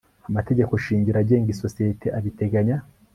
amategeko shingiro agenga isosiyete abiteganya